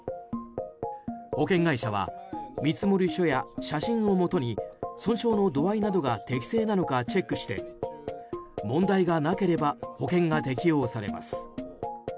保険会社は見積書や写真をもとに損傷の度合いなどが適正なのかチェックして問題がなければ保険が適用されます。